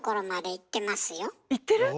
いってる？